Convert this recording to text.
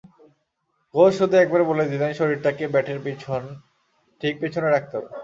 Coach শুধু একবার বলে দিলেন, শরীরটাকে ব্যাটের ঠিক পেছনে রাখতে হবে।